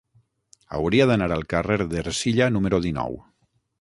Hauria d'anar al carrer d'Ercilla número dinou.